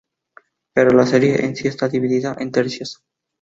Pero la serie en sí está dividida en tercios.